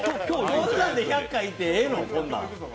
こんなんで１００回いっていいの？